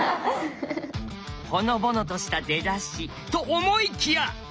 ほのぼのとした出だしと思いきや！